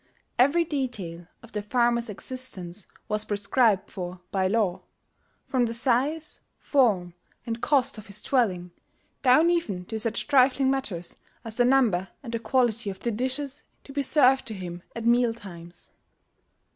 Every detail of the farmer's existence was prescribed for by law, from the size, form, and cost of his dwelling, down even to such trifling matters as the number and the quality of the dishes to be served to him at meal times.